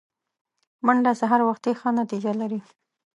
منډه سهار وختي ښه نتیجه لري